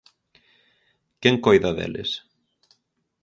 Quen coida deles?